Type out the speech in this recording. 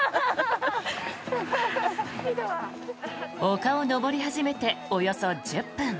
丘を登り始めておよそ１０分。